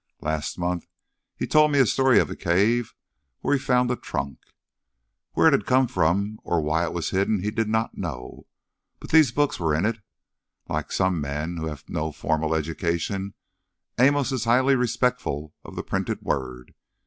Last month he told me a story of a cave where he found a trunk. Where it had come from or why it was hidden he did not know, but these books were in it. Like some men who have no formal education, Amos is highly respectful of the printed word.